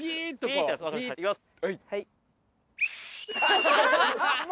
いきます。